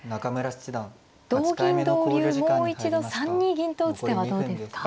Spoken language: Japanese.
同銀同竜もう一度３二銀と打つ手はどうですか。